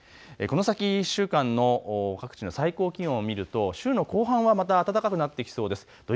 この先１週間の各地の最高気温を見ると週の後半は暖かくなってきそうです。